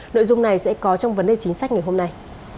nội dung này sẽ có trong vấn đề chính sách ngày hôm nay